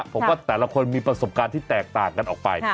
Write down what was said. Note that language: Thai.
ผมว่าแต่ละคนมีประสบการณ์ที่แตกต่างกันออกไป